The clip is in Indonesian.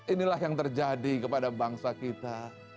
inilah yang terjadi kepada bangsa kita